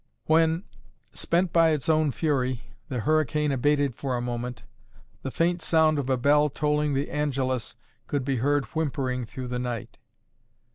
When, spent by its own fury, the hurricane abated for a moment, the faint sound of a bell tolling the Angelus could be heard whimpering through the night.